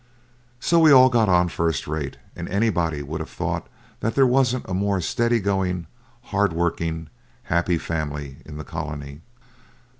..... So we all got on first rate, and anybody would have thought that there wasn't a more steady going, hard working, happy family in the colony.